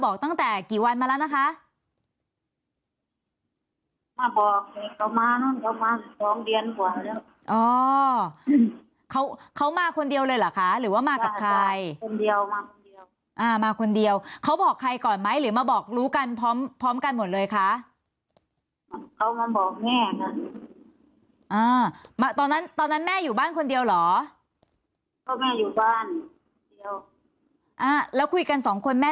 บอกตั้งแต่กี่วันมาแล้วนะคะมาบอกเนี่ยเขามานั่นเขามาสองเดือนกว่าแล้วอ๋อเขาเขามาคนเดียวเลยเหรอคะหรือว่ามากับใครคนเดียวมาคนเดียวอ่ามาคนเดียวเขาบอกใครก่อนไหมหรือมาบอกรู้กันพร้อมพร้อมกันหมดเลยค่ะเขามาบอกแม่นะอ่ามาตอนนั้นตอนนั้นแม่อยู่บ้านคนเดียวเหรอเขาแม่อยู่บ้านเดียวอ่าแล้วคุยกันสองคนแม่